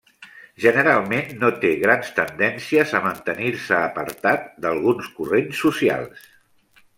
Generalment no té grans tendències a mantenir-se apartat d'alguns corrents socials.